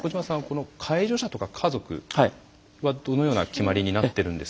この介助者とか家族はどのような決まりになっているんですか？